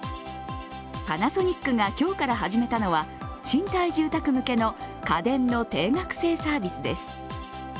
パナソニックが今日から始めたのは賃貸住宅向けの家電の定額制サービスです。